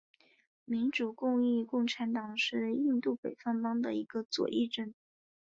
民族主义共产党是印度北方邦的一个左翼政党。